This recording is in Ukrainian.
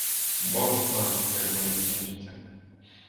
Бог зна, як воно скінчиться.